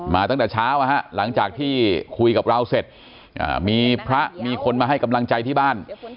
ตั้งแต่เช้าหลังจากที่คุยกับเราเสร็จมีพระมีคนมาให้กำลังใจที่บ้าน